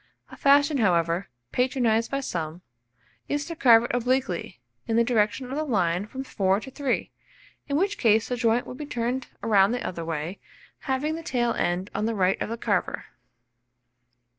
A fashion, however, patronized by some, is to carve it obliquely, in the direction of the line from 4 to 3; in which case the joint would be turned round the other way, having the tail end on the right of the carver.